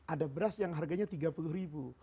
ada beras yang harganya tiga puluh ribu